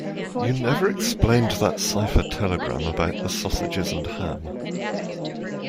You never explained that cipher telegram about the sausages and ham.